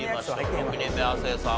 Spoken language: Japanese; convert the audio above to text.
６人目亜生さん